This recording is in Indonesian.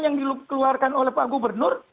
yang dikeluarkan oleh pak gubernur